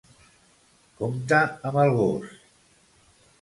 Compte amb el gos.